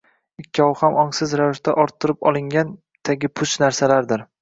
Ikkovi ham ongsiz ravishda orttirib olingan, tagi puch narsalardir.